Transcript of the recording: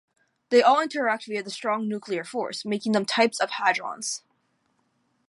They all interact via the strong nuclear force, making them types of hadron.